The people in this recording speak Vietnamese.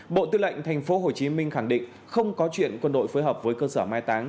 bộ tư lệnh tp hcm khẳng định không có chuyện quân đội phối hợp với cơ sở mai táng